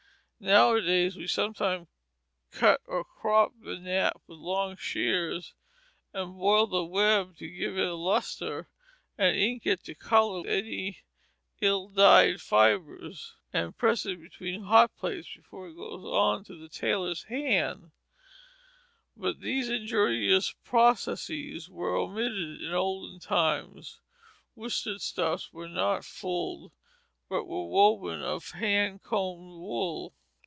Nowadays, we sometimes cut or crop the nap with long shears, and boil the web to give it a lustre, and ink it to color any ill dyed fibres, and press it between hot plates before it goes to the tailor's hands; but these injurious processes were omitted in olden times. Worsted stuffs were not fulled, but were woven of hand combed wool.